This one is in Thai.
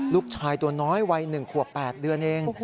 ลูกชายตัวน้อยวัย๑ขวบ๘เดือนเอง